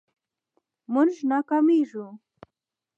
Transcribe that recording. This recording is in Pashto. مونږ ناکامیږو